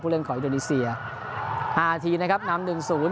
เล่นของอินโดนีเซียห้านาทีนะครับนำหนึ่งศูนย์